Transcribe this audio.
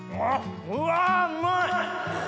うわうまい！